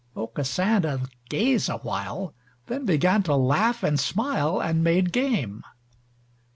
Aucassin doth gaze awhile, Then began to laugh and smile And made game.